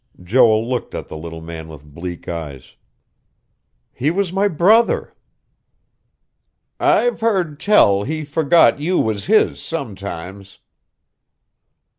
Joel looked at the little man with bleak eyes. "He was my brother." "I've heard tell he forgot you was his, sometimes."